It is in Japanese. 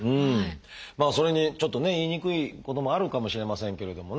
それにちょっとね言いにくいこともあるかもしれませんけれどもね